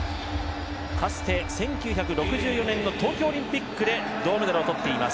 かつて、１９６４年の東京オリンピックで銅メダルをとっています。